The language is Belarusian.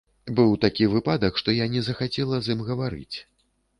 Быў такі выпадак, што я не захацела з ім гаварыць.